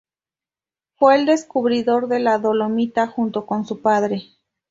Fue el descubridor de la dolomita junto con su padre.